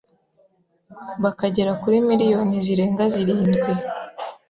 bakagera kuri miliyoni zirenga zirindwi.